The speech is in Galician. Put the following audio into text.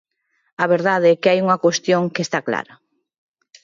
A verdade é que hai unha cuestión que está clara.